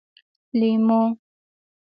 🍋 لېمو